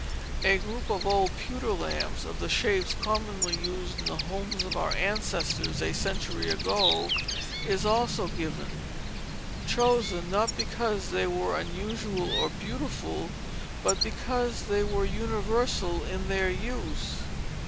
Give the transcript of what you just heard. A group of old pewter lamps, of the shapes commonly used in the homes of our ancestors a century or so ago, is also given; chosen, not because they were unusual or beautiful, but because they were universal in their use.